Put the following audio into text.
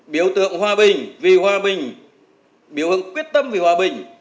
biểu tượng hòa bình vì hòa bình biểu ứng quyết tâm vì hòa bình